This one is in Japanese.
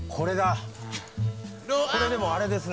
これでもあれですね